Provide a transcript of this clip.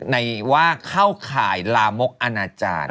ในว่าเข้าข่ายลามกอนาจารย์